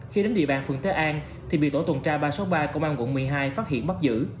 khi đến địa bàn phường thế an thì bị tổ tuần tra ba trăm sáu mươi ba công an quận một mươi hai phát hiện bắt giữ